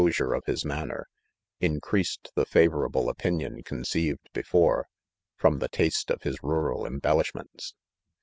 sure of his manner, increased the favorable opinion conceived before, from the taste of his rural embellishments.